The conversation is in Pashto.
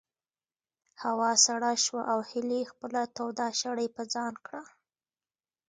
هوا سړه شوه او هیلې خپله توده شړۍ په ځان کړه.